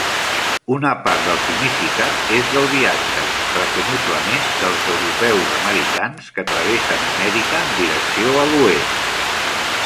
Una part del significat és el viatge, presumiblement dels europeus-americans, que travessen Amèrica en direcció a l'oest.